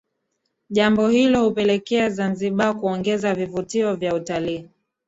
Jambo hilo hupelekea Zanzibar kuongeza vivutio vya utalii